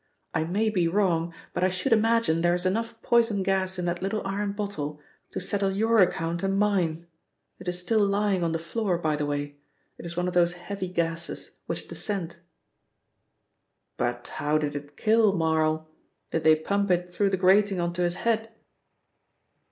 I may be wrong, but I should imagine there is enough poison gas in that little iron bottle to settle your account and mine. It is still lying on the floor, by the way. It is one of those heavy gases which descend." "But how did it kill Marl? Did they pump it through the grating on to his head?"